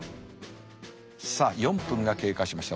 さあ４分が経過しました。